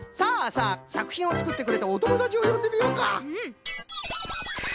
さくひんをつくってくれたおともだちをよんでみようか。